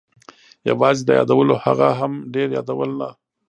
یوازې د یادولو، هغه هم ډېر یادول نه.